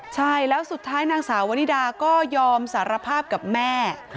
ใช่แล้วสุดท้ายนางสาววนิดาก็ยอมสารภาพกับแม่